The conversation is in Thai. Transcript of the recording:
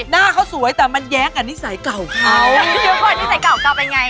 หน้าเขาสวยแต่มันแย้งกับนิสัยเก่าเขา